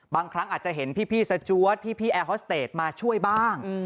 บางครั้งอาจจะเห็นพี่สจวดพี่แอร์ฮอสเตจมาช่วยบ้าง